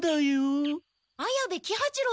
綾部喜八郎先輩。